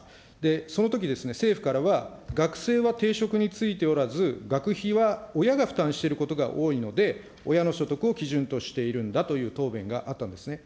そのとき、政府からは、学生は定職に就いておらず、学費は親が負担していることが多いので、親の所得を基準としているんだという答弁があったんですね。